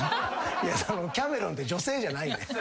キャメロンって女性じゃないねん。